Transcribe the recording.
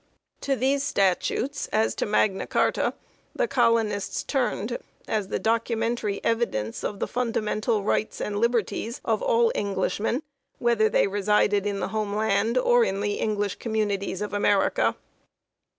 To these statutes, as to Magna Carta, the colonists turned as the documentary evidence of the fundamental rights and liberties of all Englishmen, whether they resided in the home land or in the Eng lish communities of America.